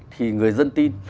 thì người dân tin